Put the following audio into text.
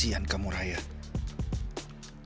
tidak ada yang bisa saya kasihi